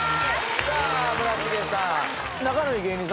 さあ村重さん。